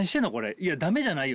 いや駄目じゃないよ。